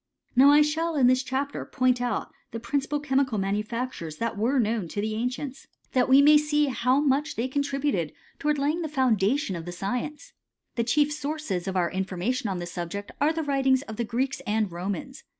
Now I shall in this chapter point out the principal chemical manufactures XYiSLt were known to the ?LXiQ\eu\a, vox. I, JB 50 KlStOAT OF CH£MI8TET. that we may see how much they contributed towai laying the foundation of the science. The chief soun of our information on this subject are the writings the Greeks and Romans.